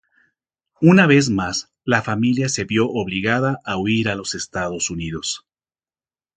Una vez más la familia se vio obligada a huir a los Estados Unidos.